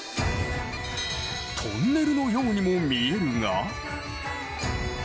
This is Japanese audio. トンネルのようにも見えるが。